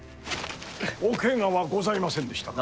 おケガはございませんでしたか。